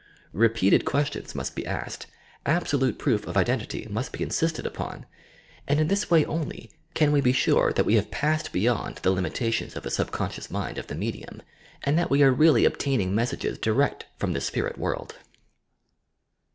Repeated questions must be asked, absolute proof of identity must be insisted upon, and in this way only can we be sure that we have passed beyond the limitations of the subconscious mind of the medium, and that we are really obtaining mes sages direct from the Spirit World.